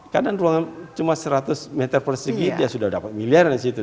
kadang ruangan cuma seratus meter persegi dia sudah dapat miliaran di situ